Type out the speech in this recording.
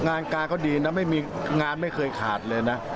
งานกาก็ดีนะไม่มีงานไม่เคยขาดเลยนะ